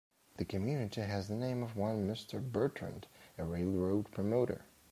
The community has the name of one Mr. Bertrand, a railroad promoter.